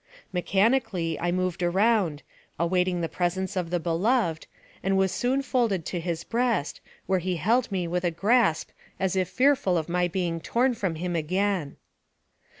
Mechanically, I moved around, awaiting the pres ence of the beloved, and was soon folded to his breast, where he held me with a grasp as if fearful of my being torn from him again.